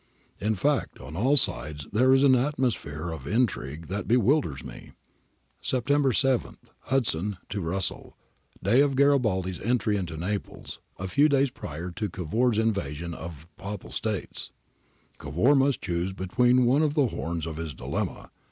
In fact on all sides there is an atmosphere of in trigue that bewilders me.' September 7. Hudson to Russell. [Day of Garibaldi's entry into Naples ; a few days prior to Cavour's invasion of Papal States.] 'Cavour must choose between one of the horns of his dilemma.